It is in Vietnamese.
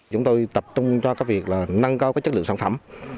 chúng tôi tập trung cho cái việc là nâng cao cái chất lượng sản phẩm